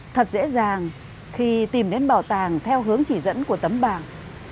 thật dễ dàng khi tìm đến bảo tàng theo hướng chỉ dẫn của tấm bảng